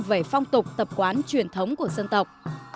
về phong tục tập quán truyền thống của dân tộc